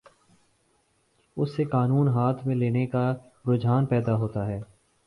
اس سے قانون ہاتھ میں لینے کا رجحان پیدا ہوتا ہے۔